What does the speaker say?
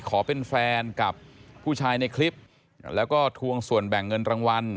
ขอเป็นแฟนกับผู้ชายในคลิปแล้วก็ทวงส่วนแบ่งเงินรางวัล